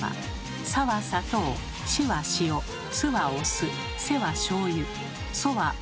「さ」は砂糖「し」は塩「す」はお酢「せ」はしょうゆ「そ」はおみそ。